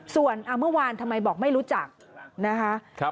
ส่วนเมื่อวานทำไมบอกไม่รู้จักนะคะ